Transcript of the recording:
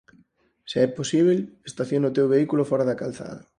Se é posíbel, estaciona o teu vehículo fóra da calzada.